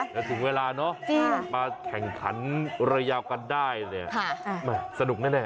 นึกถึงเวลาเนอะมาแข่งขันเรือยาวกันได้สนุกแน่